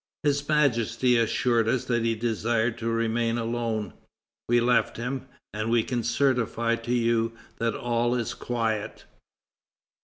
His Majesty assured us that he desired to remain alone; we left him; and we can certify to you that all is quiet."